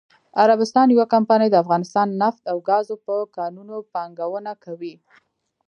عربستان یوه کمپنی دافغانستان نفت او ګازو په کانونو پانګونه کوي.😱